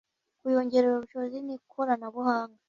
kuyongerera ubushobozi n’ikoranabuhanga